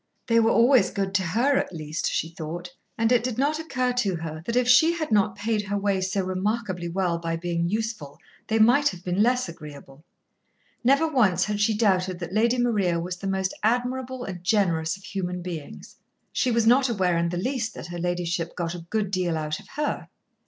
They were always good to her, at least, she thought, and it did not occur to her that if she had not paid her way so remarkably well by being useful they might have been less agreeable. Never once had she doubted that Lady Maria was the most admirable and generous of human beings. She was not aware in the least that her ladyship got a good deal out of her.